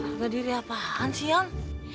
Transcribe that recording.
harga diri apaan sih yang